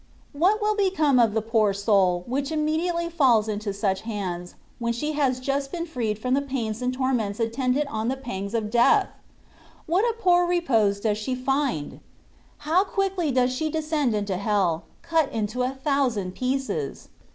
What will become of the poor soul, which immediately faUs into such hands, when she has just been freed from the pains and torments attendant on the pangs of death ? What a poor repose does she find ! How quickly does she descend into hell, cut into a thousand pieces